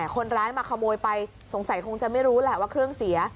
คนร้ายมาขโมยไปสงสัยคงจะไม่รู้แหละว่าเครื่องเสีย